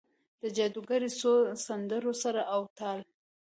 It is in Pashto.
د جادوګرو څو سندرو سر او تال،